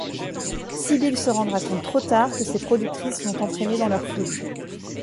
Sybille se rendra compte trop tard que ses productrices l’ont entraînée dans leur folie.